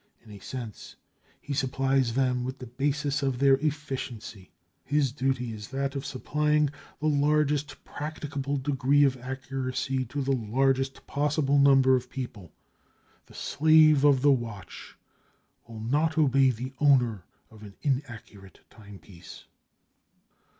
In a sense, he supplies them with the basis of their efficiency. His duty is that of supplying the largest practicable degree of accuracy to the largest possible number of people. The Slave of the Watch will not obey the owner of an inaccurate timepiece.